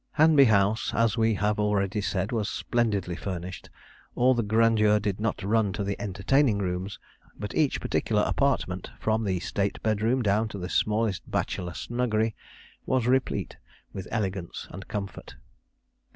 Hanby House, as we have already said, was splendidly furnished. All the grandeur did not run to the entertaining rooms; but each particular apartment, from the state bedroom down to the smallest bachelor snuggery, was replete with elegance and comfort.